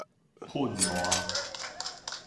噴瀾